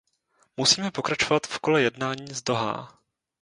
Musíme pokračovat v kole jednání z Dohá.